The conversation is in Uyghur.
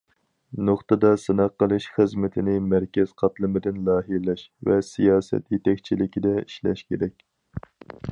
نۇقتىدا سىناق قىلىش خىزمىتىنى مەركەز قاتلىمىدىن لايىھەلەش ۋە سىياسەت يېتەكچىلىكىدە ئىشلەش كېرەك.